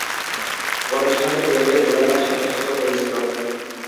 অনুষ্ঠানটি কুয়েটে জুলাই মাসে অনুষ্ঠিত হয়েছিলো।